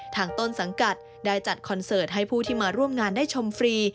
ต้นสังกัดได้จัดคอนเสิร์ตให้ผู้ที่มาร่วมงานได้ชมฟรี